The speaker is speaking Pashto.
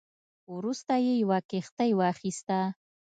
وروسته یې یوه کښتۍ واخیسته.